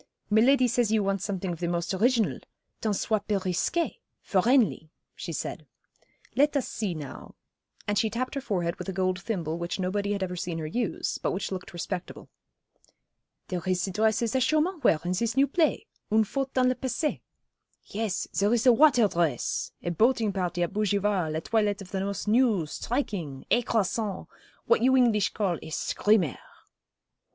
'Miladi says you want something of the most original tant soit peu risqué for 'Enley,' she said. 'Let us see now,' and she tapped her forehead with a gold thimble which nobody had ever seen her use, but which looked respectable. 'There is ze dresses that Chaumont wear in zis new play, Une Faute dans le Passé. Yes, zere is the watare dress a boating party at Bougival, a toilet of the most new, striking, écrasant, what you English call a "screamer."'